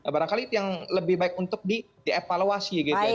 barangkali itu yang lebih baik untuk dievaluasi gitu ya